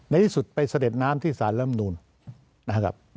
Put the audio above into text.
ในที่สุดไปเสด็จน้ำที่สารลำนูนนะครับ